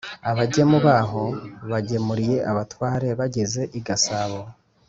abagemu b'aho bagemuriye abatware bageze i gasabo